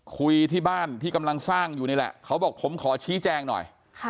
คุยที่บ้านที่กำลังสร้างอยู่นี่แหละเขาบอกผมขอชี้แจงหน่อย